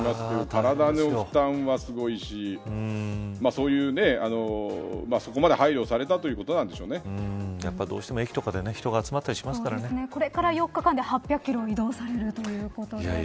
体の負担はすごいしそういうそこまで配慮されたどうしても駅とかでこれから４日間で８００キロを移動されるということで。